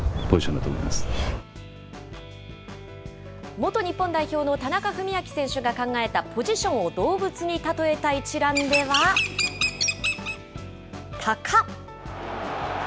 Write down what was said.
元日本代表の田中史朗選手が考えた、ポジションを動物に例えた一覧では、タカ。